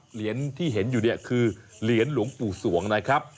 เหรียญที่เห็นอยู่เนี่ยคือเหรียญหลวงปู่สวงนะครับ